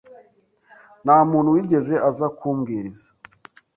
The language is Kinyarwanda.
Nta muntu wigeze aza kumbwiriza